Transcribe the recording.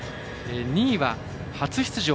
２位は、初出場